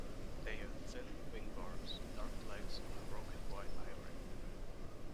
They have thin wing bars, dark legs and a broken white eye ring.